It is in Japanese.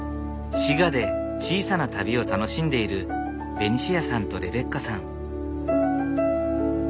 滋賀で小さな旅を楽しんでいるベニシアさんとレベッカさん。